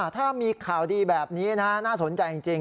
ถ้ามีข่าวดีแบบนี้น่าสนใจจริง